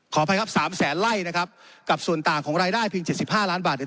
ขออภัยครับ๓แสนไล่นะครับกับส่วนต่างของรายได้เพียง๗๕ล้านบาทเนี่ย